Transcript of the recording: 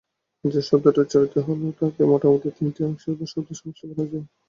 যে শব্দটি উচ্চারিত হল তাকে মোটামুটি তিনটি অংশের বা শব্দের সমষ্টি বলা যায়।